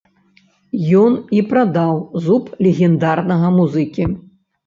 Ён і прадаў зуб легендарнага музыкі.